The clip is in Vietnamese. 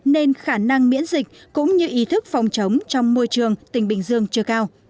nên khả năng miễn dịch cũng như ý thức phòng chống trong môi trường tỉnh bình dương chưa cao